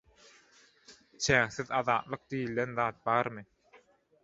Çäksiz azatlyk diýilen zat barmy?